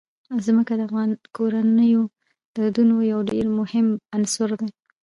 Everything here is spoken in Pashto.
ځمکه د افغان کورنیو د دودونو یو ډېر مهم عنصر دی.